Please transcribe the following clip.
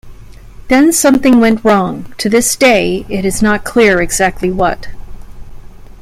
Then something went wrong: to this day, it is not clear exactly what.